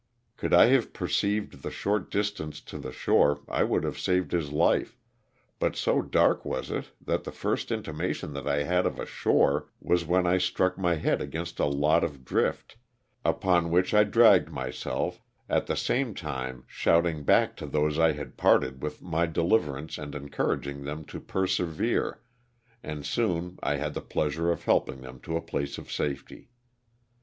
Could I have perceived the short distance to the shore I would have saved his life, but so dark was it that the first intimation that I had of a shore was when I struck my head against a lot of drift, upon which I dragged myself at the same time shout ing back to those I had parted with my deliverance and encouraging them to persevere and soon I had the pleasure of helping them to a place of safety.